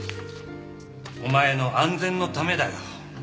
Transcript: お前の安全のためだよ。